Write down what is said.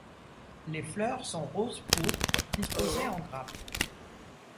Les fleurs sont rose-pourpre, disposées en grappes.